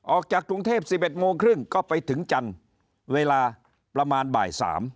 ออกจากกรุงเทพ๑๑โมงครึ่งก็ไปถึงจันทร์เวลาประมาณบ่าย๓